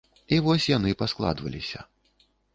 І вось яны паскладваліся.